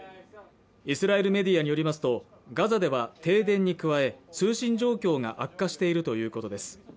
イスラエルメディアによりますとガザでは停電に加え通信状況が悪化しているということです